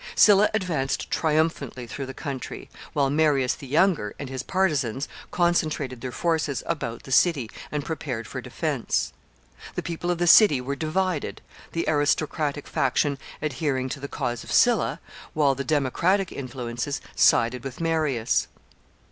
Sylla advanced triumphantly through the country, while Marius the younger and his partisans concentrated their forces about the city, and prepared for defense. The people of the city were divided, the aristocratic faction adhering to the cause of Sylla, while the democratic influences sided with Marius.